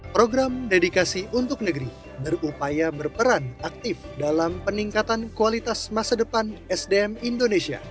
program dedikasi untuk negeri berupaya berperan aktif dalam peningkatan kualitas masa depan sdm indonesia